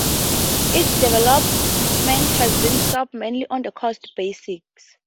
Its development has been stopped, mainly on the cost basis.